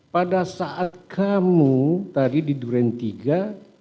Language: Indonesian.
pada saat kamu tadi di duren tiga